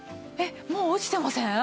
もう落ちてません！？